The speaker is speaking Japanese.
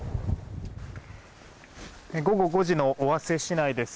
午後５時の尾鷲市内です。